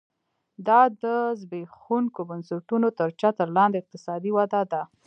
دا د زبېښونکو بنسټونو تر چتر لاندې اقتصادي وده ده